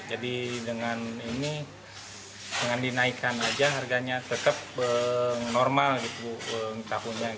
jadi dengan ini dengan dinaikkan aja harganya tetap normal gitu tahunya